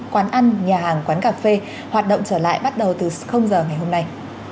quán ăn nhà hàng quán cà phê hoạt động trở lại bắt đầu từ giờ ngày hôm nay